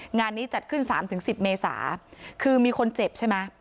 งานนี้จัดขึ้น๓๑๐เมษาคือมีคนเจ็บใช่ไหม